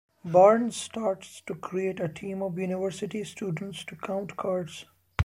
Barnes starts to create a team of university students to count cards.